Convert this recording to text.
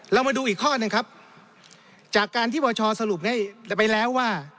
เรามาดูอีกข้อหนึ่งครับจากการที่บชสรุปให้ไปแล้วว่า